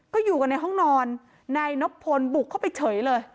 ก็อยู่กันในห้องนอนนายนบพลบุกเข้าไปเฉยเลย